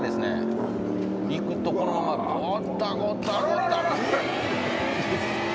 行くとこのままゴッタゴタゴタ。